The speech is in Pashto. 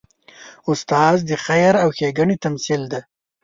استاد د خیر او ښېګڼې تمثیل دی.